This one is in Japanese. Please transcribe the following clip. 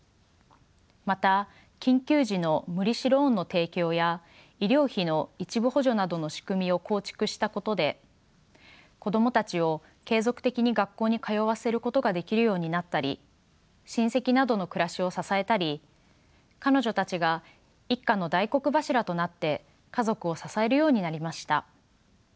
また緊急時の無利子ローンの提供や医療費の一部補助などの仕組みを構築したことで子供たちを継続的に学校に通わせることができるようになったり親戚などの暮らしを支えたり彼女たちが一家の大黒柱となって家族を支えるようになりました。